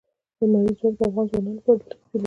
لمریز ځواک د افغان ځوانانو لپاره دلچسپي لري.